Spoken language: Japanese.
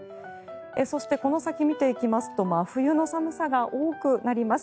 そして、この先見ていきますと真冬の寒さが多くなります。